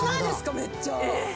⁉めっちゃ！